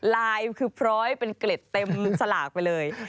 ลายคือพร้อยเป็นเกล็ดเต็มสลากไปเลย